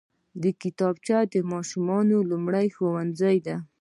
کتابچه د ماشوم لومړی ښوونځی دی